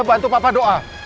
bantu papa doa